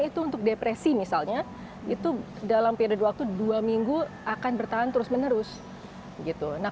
itu untuk depresi misalnya itu dalam periode waktu dua minggu akan bertahan terus menerus gitu nah